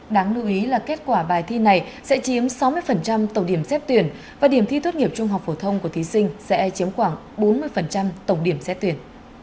đáng lưu ý là kết quả bài thi này sẽ chiếm sáu mươi tổng điểm xét tuyển và điểm thi tốt nghiệp trung học phổ thông của thí sinh sẽ chiếm khoảng bốn mươi tổng điểm xét tuyển